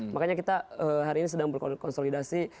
makanya kita hari ini sedang berkonsolidasi